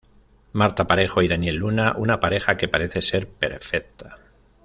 Marta Parejo y Daniel Luna una pareja que parece ser perfecta.